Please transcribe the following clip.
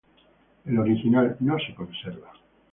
El original no se conserva.